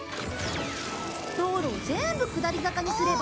道路を全部下り坂にすれば。